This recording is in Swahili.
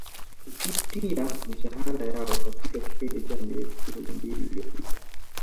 kupitia mishahara yao katika kipindi cha miezi kumi na mbili iliopita